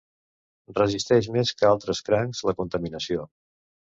Resisteix més que altres crancs la contaminació.